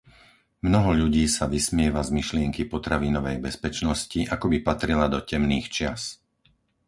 Mnoho ľudí sa vysmieva z myšlienky potravinovej bezpečnosti, akoby patrila do temných čias.